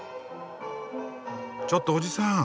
ちょっとオジさん